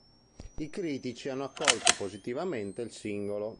I critici hanno accolto positivamente il singolo.